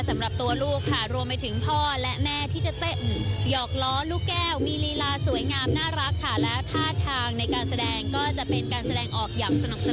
สำหรับตัวลูกค่ะรวมไปถึงพ่อและแม่ที่จะเต้นหยอกล้อลูกแก้วมีลีลาสวยงามน่ารักค่ะ